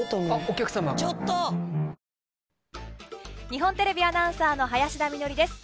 日本テレビアナウンサーの林田美学です。